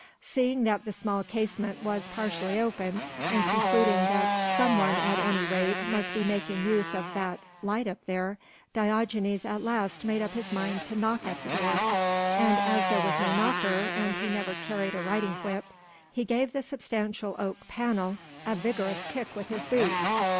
Seeing that the small casement was partially open and concluding that some one at any rate must be making use of that light up there, Diogenes at last made up his mind to knock at the door; and as there was no knocker and he never carried a riding whip he gave the substantial oak panel a vigorous kick with his boot.